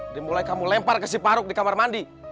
udah mulai kamu lempar ke si paruk di kamar mandi